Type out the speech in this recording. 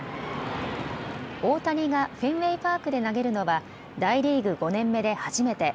大谷がフェンウェイ・パークで投げるのは大リーグ５年目で初めて。